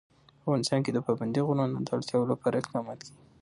په افغانستان کې د پابندي غرونو د اړتیاوو لپاره اقدامات کېږي.